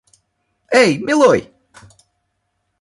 Эй, милой!